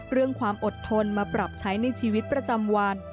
เรื่องความอดทนมาปรับใช้ในชีวิตประจำวัน